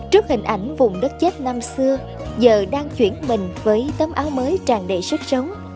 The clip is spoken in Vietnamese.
trước hình ảnh vùng đất chết năm xưa giờ đang chuyển mình với tấm áo mới tràn đầy sức sống